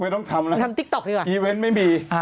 ไม่ต้องทำแล้วอีเวนต์ไม่มี